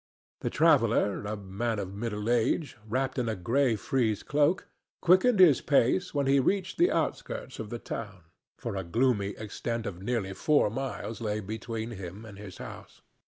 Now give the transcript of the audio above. The traveller, a man of middle age, wrapped in a gray frieze cloak, quickened his pace when he had reached the outskirts of the town, for a gloomy extent of nearly four miles lay between him and his home.